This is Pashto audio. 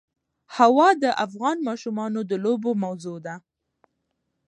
هوا د افغان ماشومانو د لوبو موضوع ده.